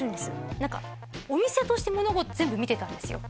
何かお店として物事全部見てたんですよ